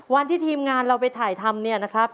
ทีมงานเราไปถ่ายทำเนี่ยนะครับ